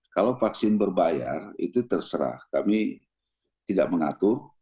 kalau vaksin berbayar itu terserah kami tidak mengatur